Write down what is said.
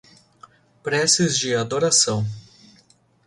Preces de adoração